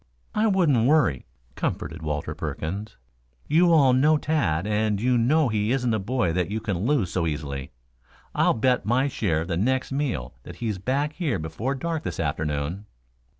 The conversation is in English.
"I wouldn't worry," comforted Walter Perkins. "You all know Tad, and you know he isn't a boy that you can lose so easily. I'll bet my share in the next meal that he's back here before dark this afternoon."